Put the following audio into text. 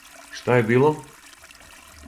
Шта је било?